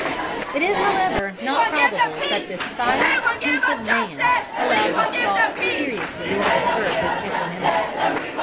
It is however not probable that this silent, pensive man allowed these thoughts seriously to disturb his equanimity.